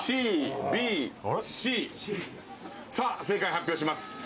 正解発表します。